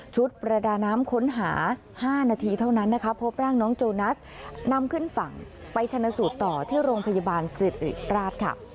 ประดาน้ำค้นหา๕นาทีเท่านั้นนะคะพบร่างน้องโจนัสนำขึ้นฝั่งไปชนะสูตรต่อที่โรงพยาบาลสิริราชค่ะ